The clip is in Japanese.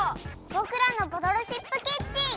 「ボクらのボトルシップキッチン」！